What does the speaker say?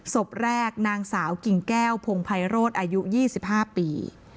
ศพแรกนางสาวกิ่งแก้วพงภัยโรธอายุ๒๕ปี